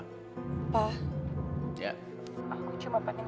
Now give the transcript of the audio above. aku cuma pengen valor beef pa jadi hahaha sama itu di sini